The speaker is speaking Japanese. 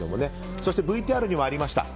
そしてＶＴＲにもありました